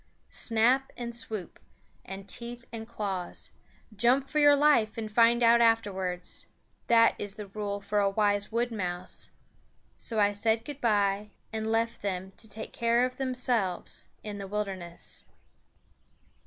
Snap and swoop, and teeth and claws, jump for your life and find out afterwards. That is the rule for a wise wood mouse. So I said good by, and left them to take care of themselves in the wilderness.